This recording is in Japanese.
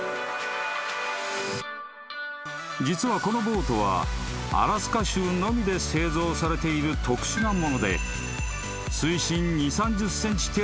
［実はこのボートはアラスカ州のみで製造されている特殊なもので］